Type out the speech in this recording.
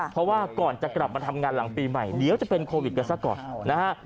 เพราะว่าก่อนจะกลับมาทำงานหลังปีใหม่เดี๋ยวจะเป็นโควิดกันซะก่อนนะฮะ